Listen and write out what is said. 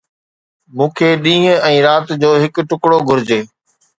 مون کي ڏينهن ۽ رات جو هڪ ٽڪرو گهرجي